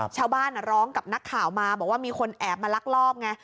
ชาวบ้านร้องกับนักข่าวมาบอกว่ามีคนแอบมาลักลอบไง